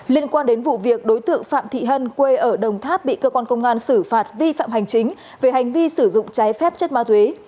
liên quan đến vụ việc đối tượng phạm thị hân quê ở đồng tháp bị cơ quan công an xử phạt vi phạm hành chính về hành vi sử dụng trái phép chất ma túy